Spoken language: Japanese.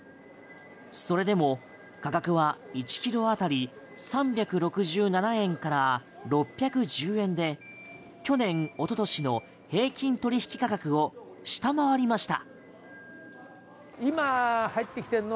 それでも価格は１ｋｇ当たり３６７円から６１０円で去年、一昨年の平均取引価格を下回りました。